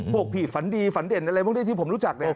หกผีฝันดีฝันเด่นอะไรที่ผมรู้จักเนี่ย